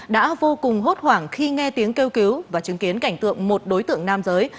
đã vô cùng hốt hoảng khi nghe tiếng kêu cứu và chứng kiến cảnh tượng một đối tượng nam giới